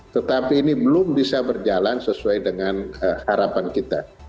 tetapi ini belum bisa berjalan sesuai dengan harapan kita